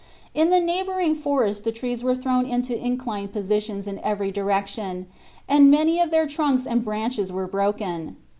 In the neighboring forest the trees were thrown into inclined positions in every direction, and many of their trunks and branches were broken.